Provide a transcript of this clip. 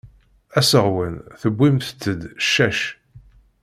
Aseɣwen tewwim-t d ccac.